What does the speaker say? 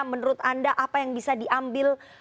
menurut anda apa yang bisa diambil